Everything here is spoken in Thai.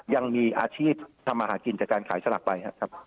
ยังมีอาชีพทำมาหากินจากการขายสลากไปครับ